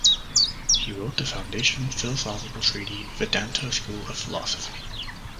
He wrote the foundational philosophical treatise Vedanta school of philosophy.